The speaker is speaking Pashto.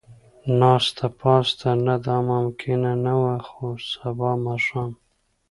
ناسته پاسته، نه دا ممکنه نه وه، خو سبا ماښام.